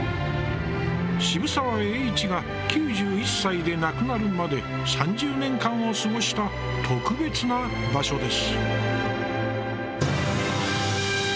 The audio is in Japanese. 渋沢栄一が９１歳で亡くなるまで３０年間を過ごした特別な場所です。